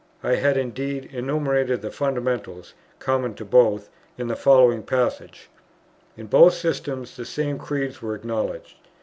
I had indeed enumerated the Fundamentals, common to both, in the following passage: "In both systems the same Creeds are acknowledged.